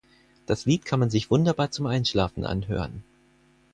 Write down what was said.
Das Lied kann man sich wunderbar zum Einschlafen anhören.